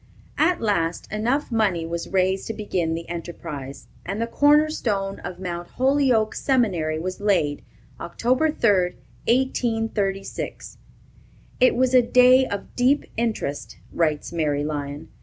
At last, enough money was raised to begin the enterprise, and the corner stone of Mount Holyoke Seminary was laid, Oct. 3, 1836. "It was a day of deep interest," writes Mary Lyon.